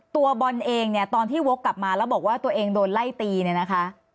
ตัวบอลเองเนี่ยตอนที่วกกลับมาแล้วบอกว่าตัวเองโดนไล่ตีเนี่ยนะคะ